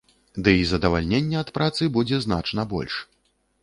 Дый задавальнення ад працы будзе значна больш.